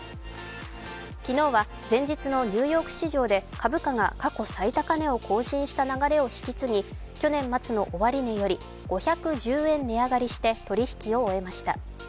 昨日は前日のニューヨーク市場で株価が過去最高値を更新した流れを引き継ぎ去年末の終値より５１０円値上がりして取引を終えました。